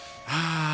ああ。